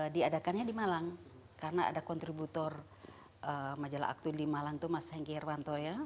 diadakannya di malang karena ada kontributor majalah aktun di malang itu mas hengki irwanto ya